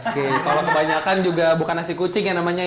oke kalau kebanyakan juga bukan nasi kucing ya namanya ya